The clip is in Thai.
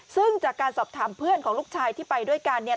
ซึ่งจากการสอบถามเพื่อนของลูกชายที่ไปด้วยกันเนี่ย